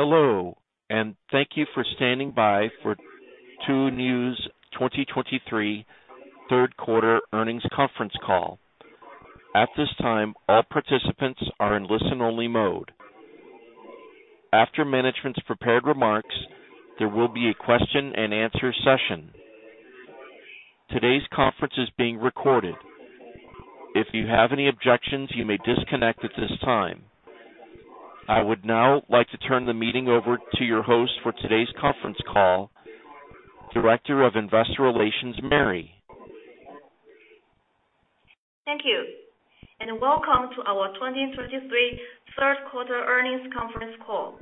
Hello, and thank you for standing by for Tuniu's 2023 third quarter earnings conference call. At this time, all participants are in listen-only mode. After management's prepared remarks, there will be a question and answer session. Today's conference is being recorded. If you have any objections, you may disconnect at this time. I would now like to turn the meeting over to your host for today's conference call, Director of Investor Relations, Mary. Thank you, and welcome to our 2023 third quarter earnings conference call.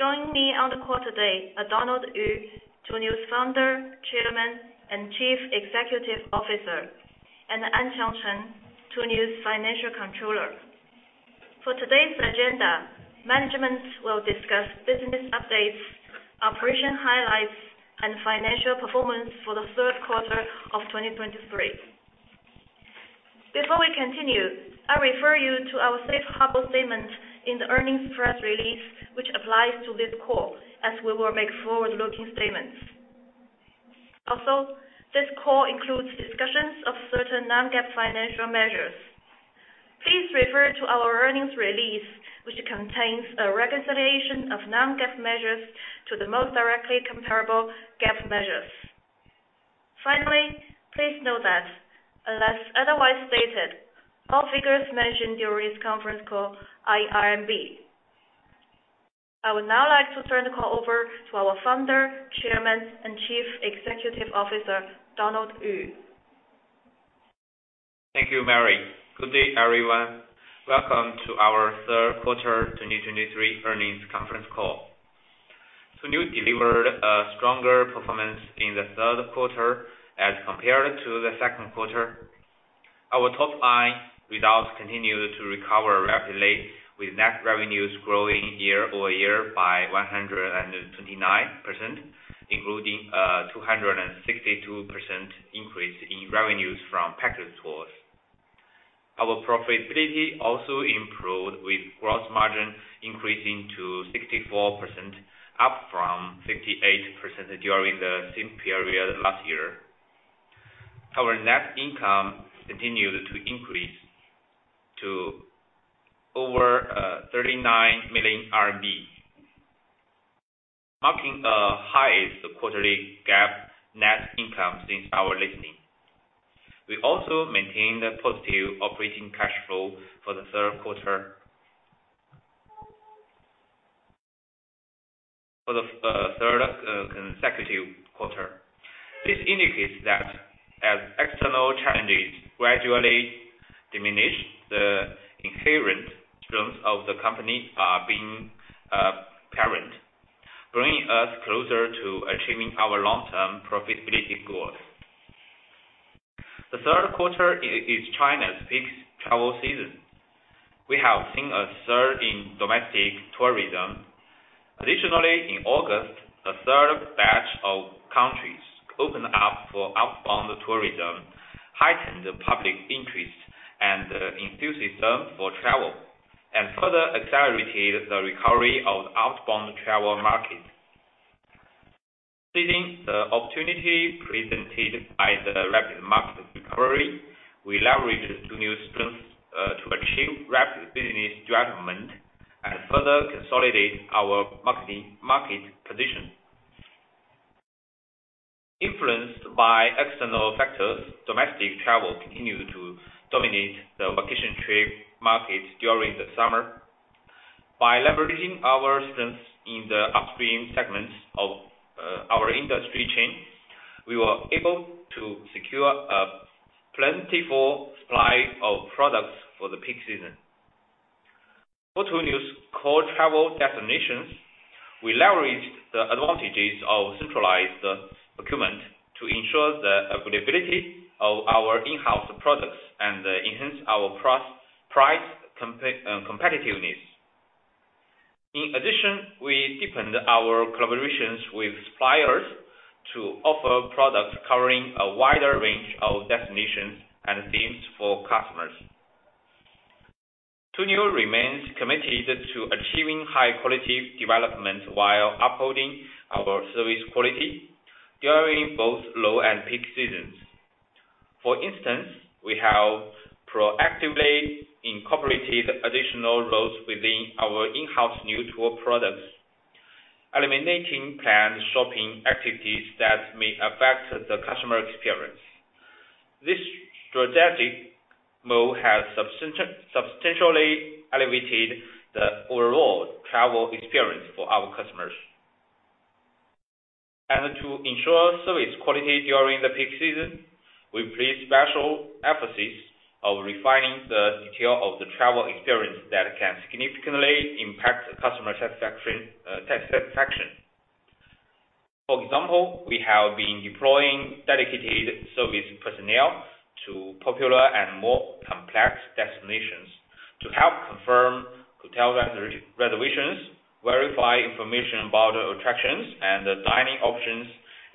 Joining me on the call today are Donald Yu, Tuniu's Founder, Chairman, and Chief Executive Officer, and Anqiang Chen, Tuniu's Financial Controller. For today's agenda, management will discuss business updates, operation highlights, and financial performance for the third quarter of 2023. Before we continue, I refer you to our safe harbor statement in the earnings press release, which applies to this call, as we will make forward-looking statements. Also, this call includes discussions of certain non-GAAP financial measures. Please refer to our earnings release, which contains a reconciliation of non-GAAP measures to the most directly comparable GAAP measures. Finally, please note that unless otherwise stated, all figures mentioned during this conference call are RMB. I would now like to turn the call over to our Founder, Chairman, and Chief Executive Officer, Donald Yu. Thank you, Mary. Good day, everyone. Welcome to our third quarter 2023 earnings conference call. Tuniu delivered a stronger performance in the third quarter as compared to the second quarter. Our top line results continued to recover rapidly, with net revenues growing year-over-year by 129%, including 262% increase in revenues from package tours. Our profitability also improved, with gross margin increasing to 64%, up from 58% during the same period last year. Our net income continued to increase to over RMB 39 million, marking the highest quarterly GAAP net income since our listing. We also maintained a positive operating cash flow for the third quarter. For the third consecutive quarter. This indicates that as external challenges gradually diminish, the inherent strengths of the company are being apparent, bringing us closer to achieving our long-term profitability goals. The third quarter is China's peak travel season. We have seen a surge in domestic tourism. Additionally, in August, the third batch of countries opened up for outbound tourism, heightened the public interest and enthusiasm for travel, and further accelerated the recovery of outbound travel market. Seizing the opportunity presented by the rapid market recovery, we leveraged Tuniu's strengths to achieve rapid business development and further consolidate our market position. Influenced by External Factors, Domestic Travel continued to dominate the vacation trip market during the summer. By leveraging our strengths in the upstream segments of our industry chain, we were able to secure a plentiful supply of products for the peak season. For Tuniu's core travel destinations, we leveraged the advantages of centralized procurement to ensure the availability of our in-house products and enhance our price competitiveness. In addition, we deepened our collaborations with suppliers to offer products covering a wider range of destinations and themes for customers. Tuniu remains committed to achieving high-quality development while upholding our service quality during both low and peak seasons. For instance, we have proactively incorporated additional routes within our in-house Niu Tour products, eliminating planned shopping activities that may affect the customer experience. This strategic move has substantially elevated the overall travel experience for our customers. And to ensure service quality during the peak season, we place special emphasis on refining the detail of the travel experience that can significantly impact customer satisfaction. For example, we have been deploying dedicated service personnel to popular and more complex destinations to help confirm hotel reservations, verify information about the attractions and the dining options,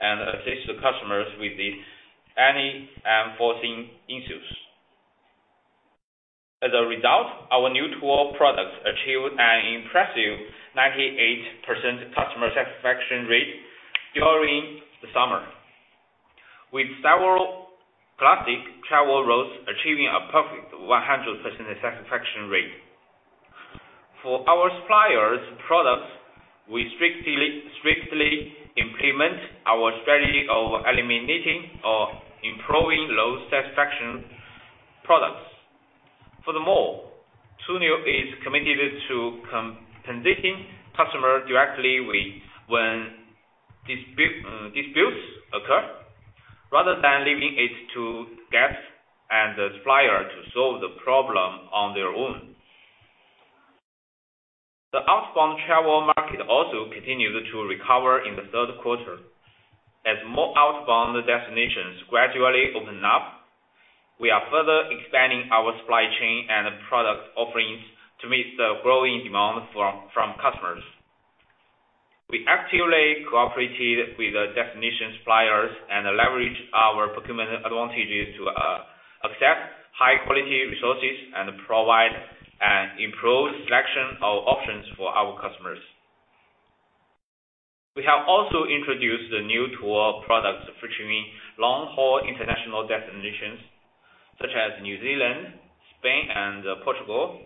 and assist the customers with any unforeseen issues. As a result, our Niu Tour products achieved an impressive 98% customer satisfaction rate during the summer, with several classic travel routes achieving a perfect 100% satisfaction rate. For our suppliers' products, we strictly, strictly implement our strategy of eliminating or improving low satisfaction products. Furthermore, Tuniu is committed to compensating customers directly when disputes occur, rather than leaving it to guests and the supplier to solve the problem on their own. The outbound travel market also continued to recover in the third quarter. As more outbound destinations gradually open up, we are further expanding our supply chain and product offerings to meet the growing demand from customers. We actively cooperated with the destination suppliers and leveraged our procurement advantages to access high-quality resources and provide an improved selection of options for our customers. We have also introduced the Niu Tour products featuring long-haul international destinations, such as New Zealand, Spain, and Portugal,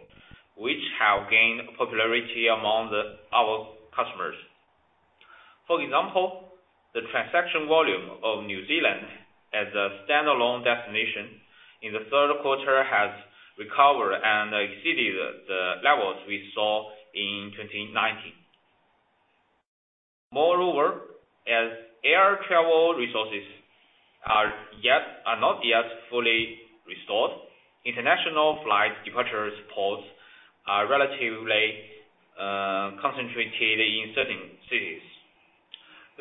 which have gained popularity among our customers. For example, the transaction volume of New Zealand as a standalone destination in the third quarter has recovered and exceeded the levels we saw in 2019. Moreover, as air travel resources are not yet fully restored, international flight departure spots are relatively concentrated in certain cities.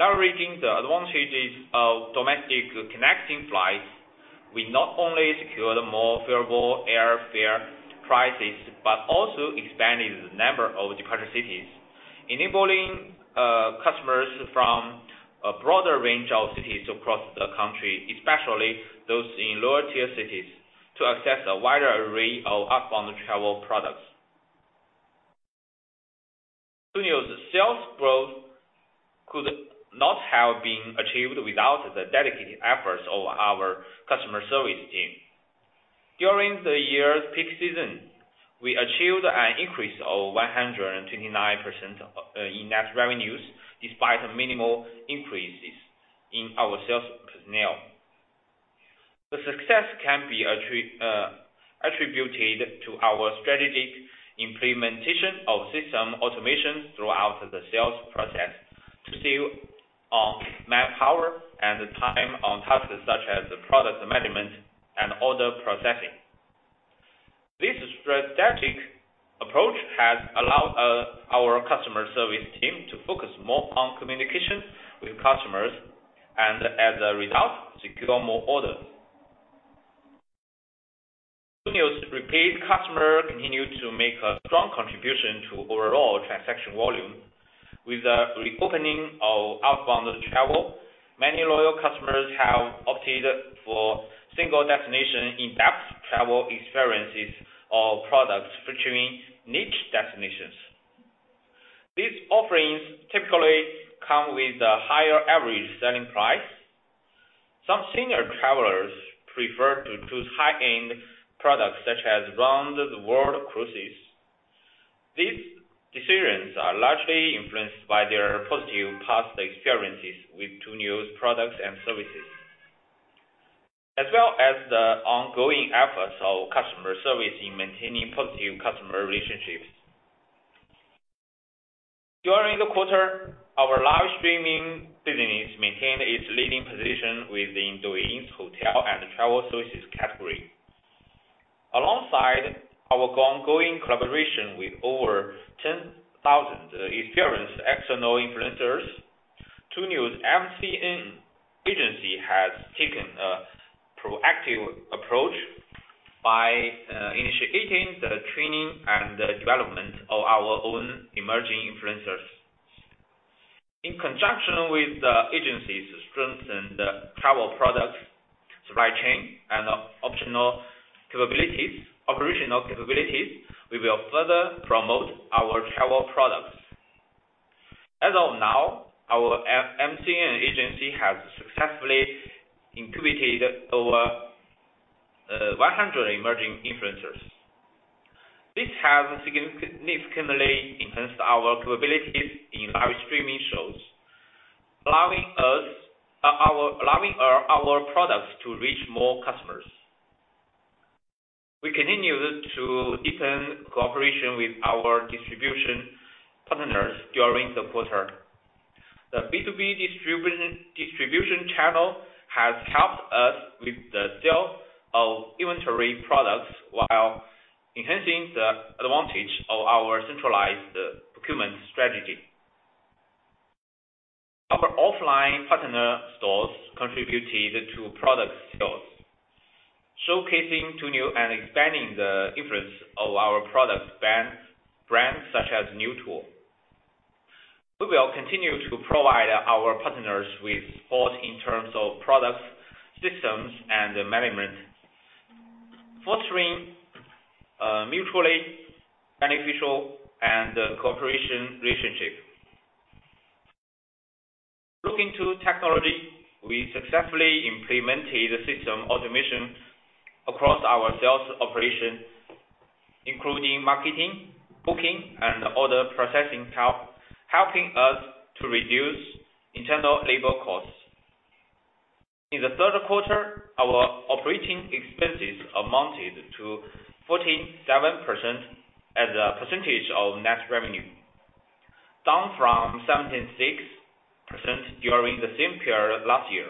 Leveraging the advantages of domestic connecting flights, we not only secured more favorable airfare prices, but also expanded the number of departure cities, enabling customers from a broader range of cities across the country, especially those in lower-tier cities, to access a wider array of outbound travel products. Tuniu's sales growth could not have been achieved without the dedicated efforts of our Customer Service Team. During the year's peak season, we achieved an increase of 129% in net revenues, despite minimal increases in our sales personnel. The success can be attributed to our strategic implementation of System Automation throughout the sales process to save on manpower and time on tasks such as product management and order processing. This strategic approach has allowed our customer service team to focus more on communication with customers, and as a result, secure more orders. Tuniu's repeat customer continued to make a strong contribution to overall transaction volume. With the reopening of outbound travel, many loyal customers have opted for single destination in-depth travel experiences or products featuring niche destinations. These offerings typically come with a higher average selling price. Some Senior Travelers prefer to choose high-end products, such as round-the-world cruises. These decisions are largely influenced by their positive past experiences with Tuniu's products and services, as well as the ongoing efforts of customer service in maintaining positive customer relationships. During the quarter, our live streaming business maintained its leading position within Douyin's Hotel and Travel Services category. Alongside our ongoing collaboration with over 10,000 experienced external influencers, Tuniu's MCN Agency has taken a proactive approach by initiating the training and development of our own emerging influencers. In conjunction with the agency to strengthen the travel products, supply chain, and optional capabilities, operational capabilities, we will further promote our travel products. As of now, our MCN agency has successfully incubated over 100 emerging influencers. This has significantly enhanced our capabilities in live streaming shows, allowing our products to reach more customers. We continued to deepen cooperation with our distribution partners during the quarter. The B2B distribution channel has helped us with the sale of inventory products while enhancing the advantage of our centralized procurement strategy. Our offline partner stores contributed to product sales, showcasing Tuniu's and expanding the influence of our product brands, brands such as Niu Tour. We will continue to provide our partners with support in terms of products, systems, and management, fostering mutually beneficial and cooperation relationship. Looking to technology, we successfully implemented the system automation across our sales operation, including marketing, booking, and order processing help, helping us to reduce internal labor costs. In the third quarter, our operating expenses amounted to 47% as a percentage of net revenue, down from 76% during the same period last year.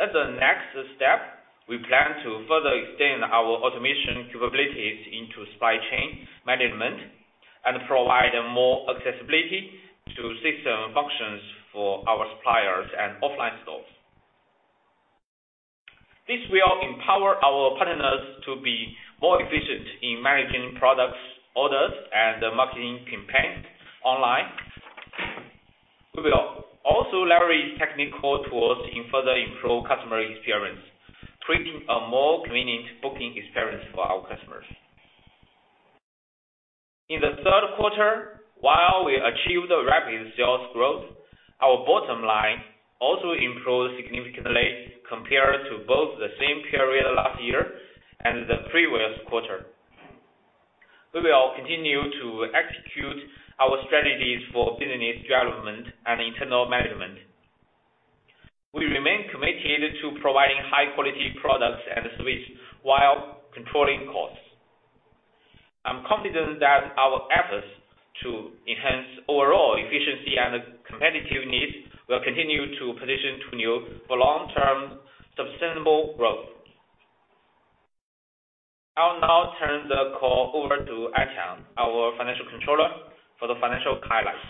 As a next step, we plan to further extend our automation capabilities into Supply Chain management and provide more accessibility to system functions for our suppliers and offline stores. This will empower our partners to be more efficient in managing products, orders, and marketing campaigns online. We will also leverage technical tools and further improve customer experience, creating a more convenient booking experience for our customers. In the third quarter, while we achieved rapid sales growth, our bottom line also improved significantly compared to both the same period last year and the previous quarter. We will continue to execute our strategies for business development and internal management. We remain committed to providing high quality products and service while controlling costs. I'm confident that our efforts to enhance overall efficiency and competitiveness will continue to position Tuniu for long-term sustainable growth. I'll now turn the call over to Anqiang, our Financial Controller, for the financial highlights.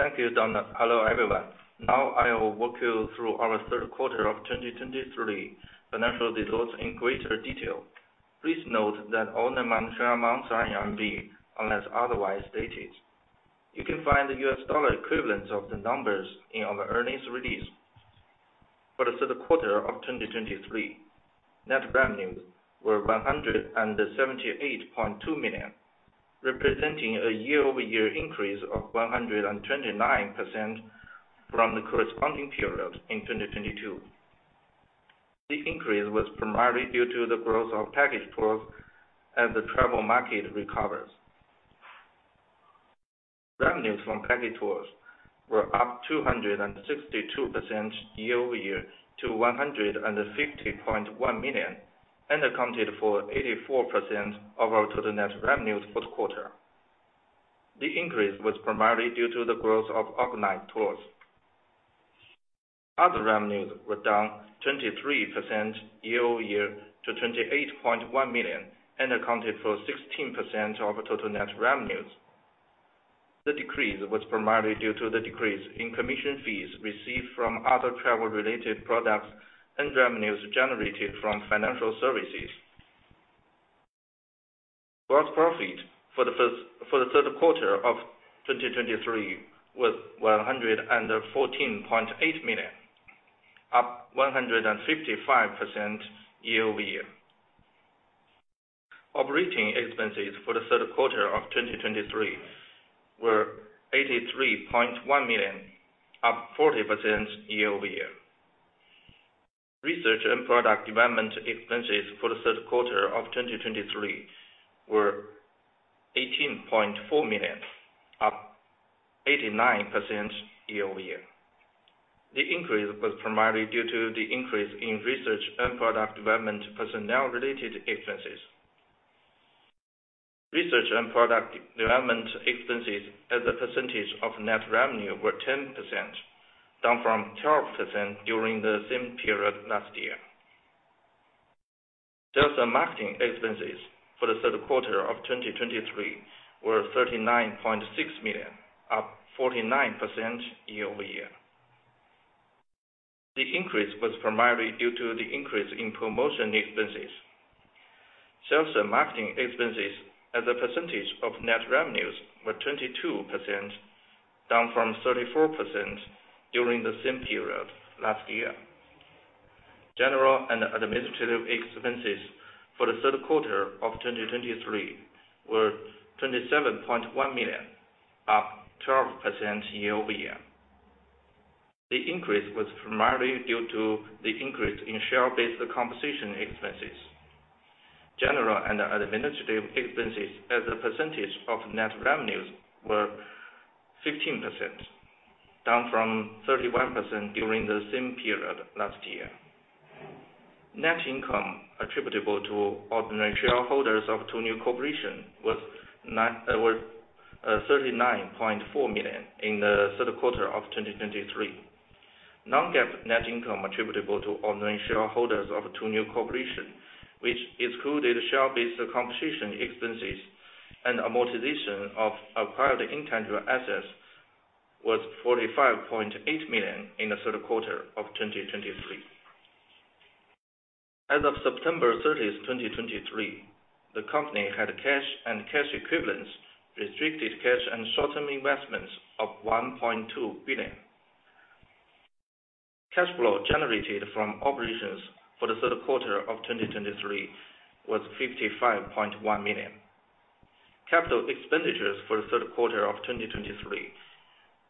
Thank you, Donald. Hello, everyone. Now, I will walk you through our third quarter of 2023 financial results in greater detail. Please note that all the monetary amounts are RMB, unless otherwise stated. You can find the U.S. dollar equivalence of the numbers in our earnings release. For the third quarter of 2023, net revenues were 178.2 million, representing a year-over-year increase of 129% from the corresponding period in 2022. The increase was primarily due to the growth of package tours as the travel market recovers. Revenues from package tours were up 262% year-over-year to 150.1 million, and accounted for 84% of our total net revenues for the quarter. The increase was primarily due to the growth of organized tours. Other revenues were down 23% year-over-year to 28.1 million, and accounted for 16% of total net revenues. The decrease was primarily due to the decrease in commission fees received from other travel-related products and revenues generated from financial services. Gross profit for the third quarter of 2023 was CNY 114.8 million, up 155% year-over-year. Operating expenses for the third quarter of 2023 were 83.1 million, up 40% year-over-year. Research and product development expenses for the third quarter of 2023 were CNY 18.4 million, up 89% year-over-year. The increase was primarily due to the increase in research and product development personnel-related expenses. Research and product development expenses as a percentage of net revenue were 10%, down from 12% during the same period last year. Sales and marketing expenses for the third quarter of 2023 were 39.6 million, up 49% year-over-year. The increase was primarily due to the increase in promotion expenses. Sales and marketing expenses as a percentage of net revenues were 22%, down from 34% during the same period last year. General and administrative expenses for the third quarter of 2023 were 27.1 million, up 12% year-over-year. The increase was primarily due to the increase in share-based compensation expenses. General and administrative expenses as a percentage of net revenues were 15%, down from 31% during the same period last year. Net income attributable to ordinary shareholders of Tuniu Corporation was 39.4 million in the third quarter of 2023. Non-GAAP net income attributable to ordinary shareholders of Tuniu Corporation, which included share-based compensation expenses and amortization of acquired intangible assets, was 45.8 million in the third quarter of 2023. As of September 30, 2023, the company had cash and cash equivalents, restricted cash and short-term investments of 1.2 billion. Cash flow generated from operations for the third quarter of 2023 was 55.1 million. Capital expenditures for the third quarter of 2023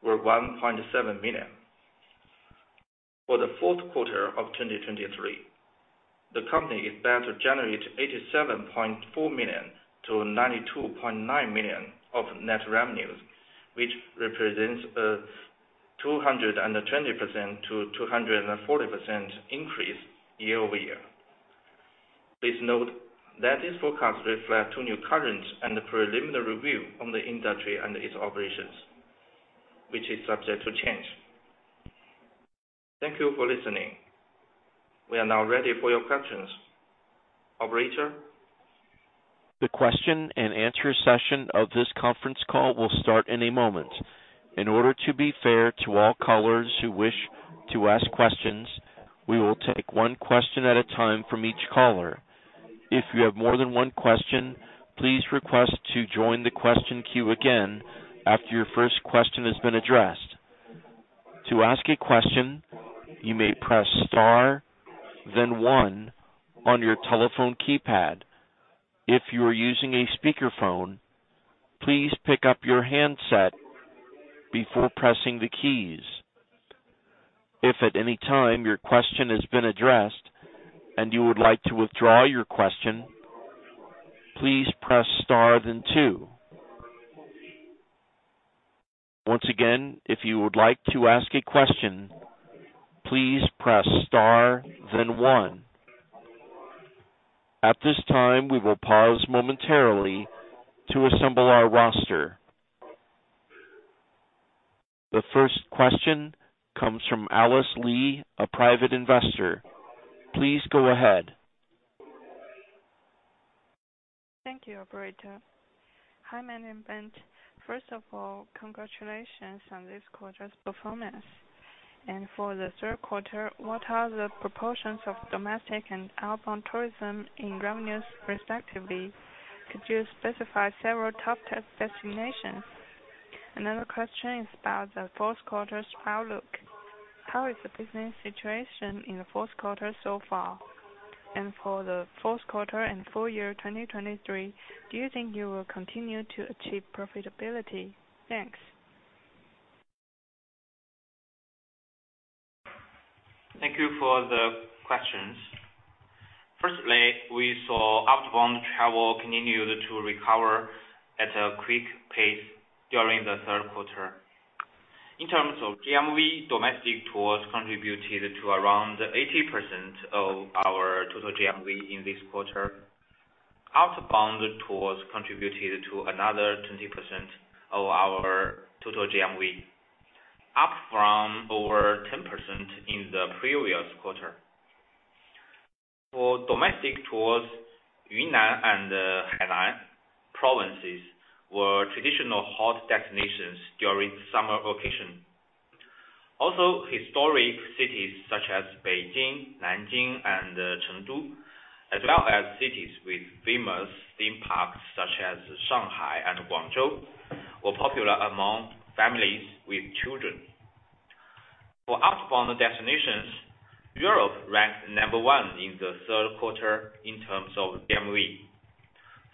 were 1.7 million. For the fourth quarter of 2023, the company is bound to generate 87.4 million-92.9 million of net revenues, which represents 220%-240% increase year-over-year. Please note that this forecast reflects our current and preliminary review on the industry and its operations, which is subject to change. Thank you for listening. We are now ready for your questions. Operator? The question and answer session of this conference call will start in a moment. In order to be fair to all callers who wish to ask questions, we will take one question at a time from each caller. If you have more than one question, please request to join the question queue again after your first question has been addressed. To ask a question, you may press star, then one on your telephone keypad. If you are using a speakerphone, please pick up your handset before pressing the keys. If at any time your question has been addressed and you would like to withdraw your question, please press star, then two. Once again, if you would like to ask a question, please press star, then one. At this time, we will pause momentarily to assemble our roster. The first question comes from Alice Lee, a private investor. Please go ahead. Thank you, operator. Hi, Mary and Donald. First of all, congratulations on this quarter's performance. For the third quarter, what are the proportions of domestic and outbound tourism in revenues, respectively? Could you specify several top destinations? Another question is about the fourth quarter's outlook. How is the business situation in the fourth quarter so far? For the fourth quarter and full year, 2023, do you think you will continue to achieve profitability? Thanks. Thank you for the questions. Firstly, we saw outbound travel continued to recover at a quick pace during the third quarter. In terms of GMV, domestic tours contributed to around 80% of our total GMV in this quarter. Outbound tours contributed to another 20% of our total GMV, up from over 10% in the previous quarter. For domestic tours, Yunnan and Hainan provinces were traditional hot destinations during summer vacation. Also, historic cities such as Beijing, Nanjing and Chengdu, as well as cities with famous theme parks, such as Shanghai and Guangzhou, were popular among families with children. For outbound destinations, Europe ranked number one in the third quarter in terms of GMV,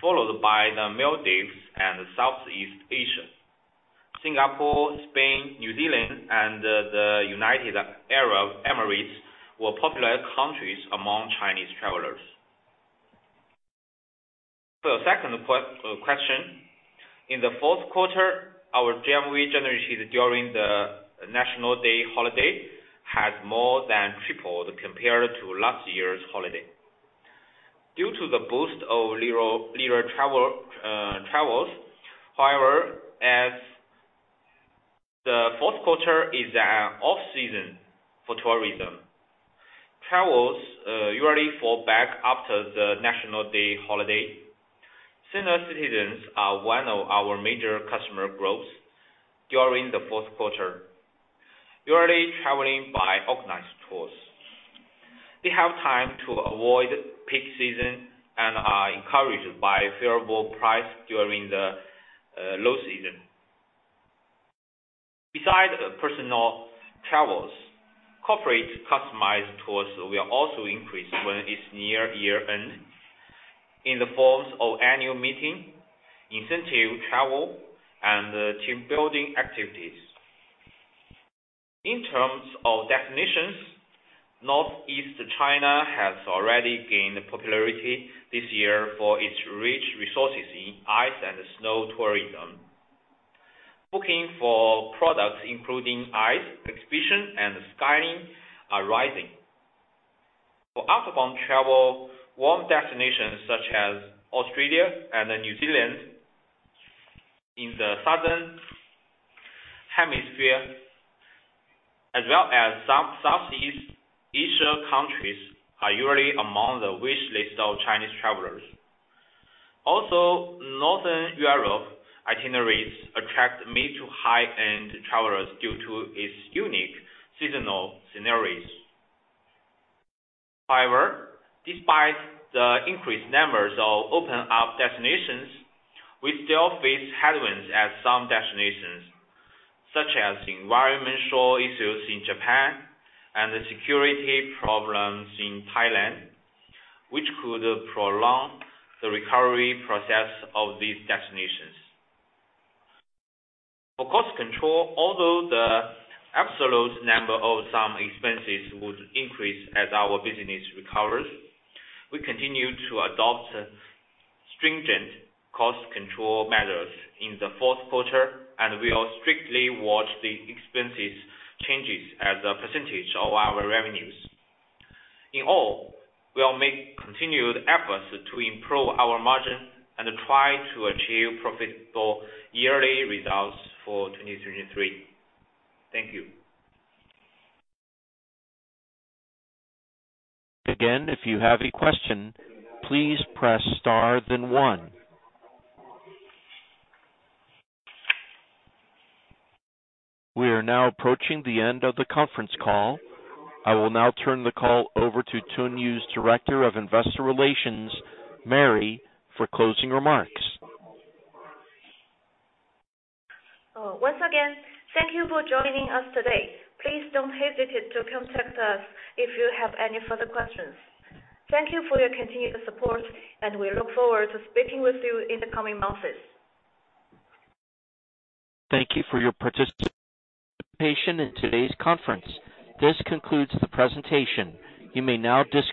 followed by the Maldives and Southeast Asia. Singapore, Spain, New Zealand and the United Arab Emirates, were popular countries among Chinese travelers. For the second question, in the fourth quarter, our GMV generated during the National Day holiday has more than tripled compared to last year's holiday. Due to the boost of leisure, leisure travel, travels. However, as the fourth quarter is an off-season for tourism, travels usually fall back after the National Day holiday. Senior citizens are one of our major customer groups during the fourth quarter, usually traveling by organized tours. They have time to avoid peak season and are encouraged by favorable price during the low season. Besides personal travels, corporate customized tours will also increase when it's near year-end, in the forms of annual meeting, incentive travel, and team-building activities. In terms of destinations, Northeast China has already gained popularity this year for its rich resources in ice and snow tourism. Booking for products including ice exhibition and skiing are rising. For outbound travel, warm destinations such as Australia and New Zealand in the Southern Hemisphere, as well as South, Southeast Asian countries, are usually among the wish list of Chinese travelers. Also, Northern Europe itineraries attract mid to high-end travelers due to its unique seasonal scenarios. However, despite the increased numbers of open up destinations, we still face headwinds at some destinations, such as environmental issues in Japan and the security problems in Thailand, which could prolong the recovery process of these destinations. For cost control, although the absolute number of some expenses would increase as our business recovers, we continue to adopt stringent cost control measures in the fourth quarter and will strictly watch the expenses changes as a percentage of our revenues. In all, we'll make continued efforts to improve our margin and try to achieve profitable yearly results for 2023. Thank you. Again, if you have a question, please press star, then one. We are now approaching the end of the conference call. I will now turn the call over to Tuniu's Director of Investor Relations, Mary, for closing remarks. Once again, thank you for joining us today. Please don't hesitate to contact us if you have any further questions. Thank you for your continued support, and we look forward to speaking with you in the coming months. Thank you for your participation in today's conference. This concludes the presentation. You may now dis-